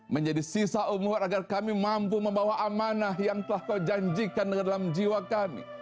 menjadi sisa umur agar kami mampu membawa amanah yang telah kau janjikan dalam jiwa kami